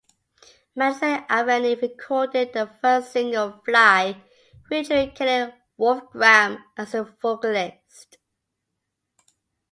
Madison Avenue recorded their first single, "Fly", featuring Kellie Wolfgram as the vocalist.